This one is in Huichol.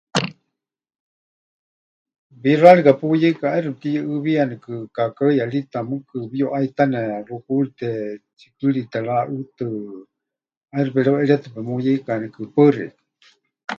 Wixárika puyeika ʼaixɨ mɨtiyuʼɨɨwiyanikɨ kakaɨyarita, mɨɨkɨ pɨyuʼaitane xukurite, tsikɨrite raʼɨtɨ, ʼaixɨ pereuʼeríetɨ pemuyeikanikɨ. Paɨ xeikɨ́a.